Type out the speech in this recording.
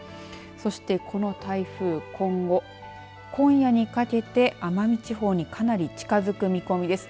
そして、この台風、今後今夜にかけて奄美地方にかなり近づく見込みです。